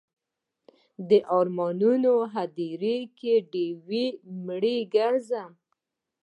د ارمانونو هدیره کې ډیوې مړې ګرځوم